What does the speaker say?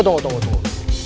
tunggu tunggu tunggu